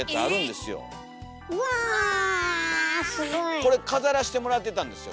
すごい！これ飾らせてもらってたんですよ